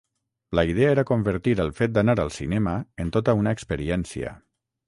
La idea era convertir el fet d'anar al cinema en tota una experiència.